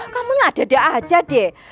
kamu ngadada aja deh